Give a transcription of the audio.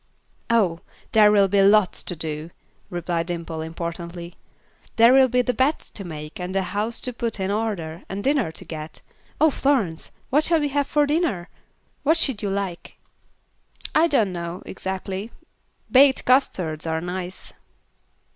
"Oh, there will be lots to do," replied Dimple, importantly. "There will be the beds to make, and the house to put in order, and dinner to get. Oh, Florence! What shall we have for dinner? What should you like?" "I don't know, exactly; baked custards are nice."